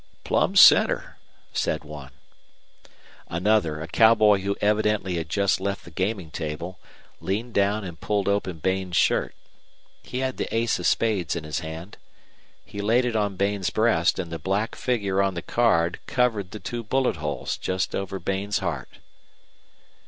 "Plumb center," said one. Another, a cowboy who evidently had just left the gaming table, leaned down and pulled open Bain's shirt. He had the ace of spades in his hand. He laid it on Bain's breast, and the black figure on the card covered the two bullet holes just over Bain's heart.